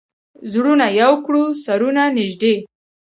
زړونه یو کړو، سرونه نژدې